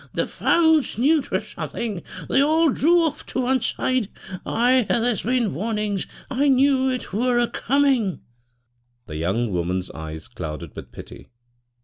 The fowls knew 'twere something; they all drew off to one side. Ay, there's been warnings. I knew it were a coming." The young woman's eyes clouded with pity.